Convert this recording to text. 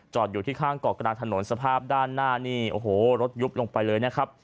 อยู่ที่ข้างเกาะกลางถนนสภาพด้านหน้านี่โอ้โหรถยุบลงไปเลยนะครับ